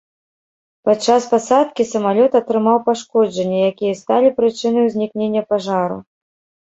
Падчас пасадкі самалёт атрымаў пашкоджанні, якія сталі прычынай узнікнення пажару.